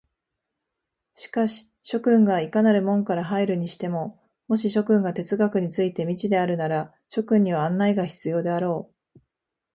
しかし諸君がいかなる門から入るにしても、もし諸君が哲学について未知であるなら、諸君には案内が必要であろう。